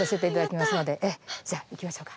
じゃあ行きましょうか。